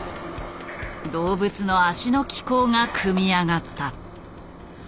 動物の脚の機構が組み上がった。